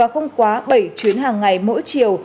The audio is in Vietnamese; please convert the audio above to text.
không quá bảy chuyến hàng ngày mỗi chiều